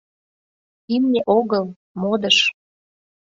Имне огыл, модыш!